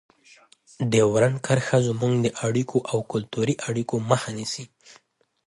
ډیورنډ کرښه زموږ د اړیکو او کلتوري اړیکو مخه نیسي.